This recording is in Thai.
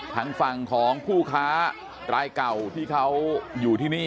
ทางฝั่งของผู้ค้ารายเก่าที่เขาอยู่ที่นี่